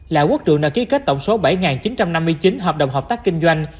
lã quốc trưởng đã ký kết tổng số bảy chín trăm năm mươi chín hợp đồng hợp tác kinh doanh